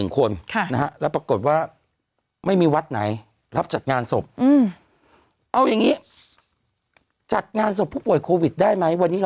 คนแล้วปรากฏว่าไม่มีวัดไหนรับจัดงานศพเอาอย่างนี้จัดงานศพผู้ป่วยโควิดได้ไหมวันนี้เรา